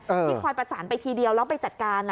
ที่คอยประสานไปทีเดียวแล้วไปจัดการ